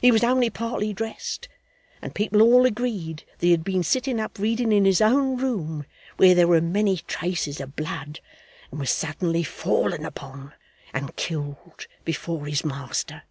He was only partly dressed; and people all agreed that he had been sitting up reading in his own room, where there were many traces of blood, and was suddenly fallen upon and killed before his master.